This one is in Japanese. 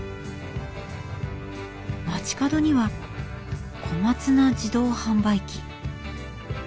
街角には小松菜自動販売機。